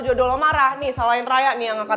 kapan lu kurasa beneran lu seperti ah penyugamku